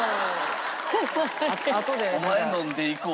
「お前のんでいこう」。